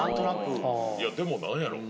いやでもなんやろう？